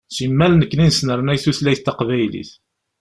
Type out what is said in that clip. Simmal nekni nesnernay tutlayt taqbaylit.